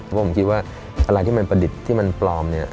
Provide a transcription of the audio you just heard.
เพราะผมคิดว่าอะไรที่มันประดิษฐ์ที่มันปลอมเนี่ย